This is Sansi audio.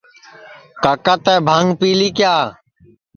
کاکا تیں بھانٚگ پیلی کیا